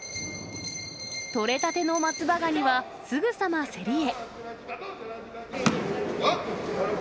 取れたての松葉ガニは、すぐさま競りへ。